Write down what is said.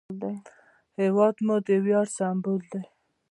هېواد مو د ویاړ سمبول دی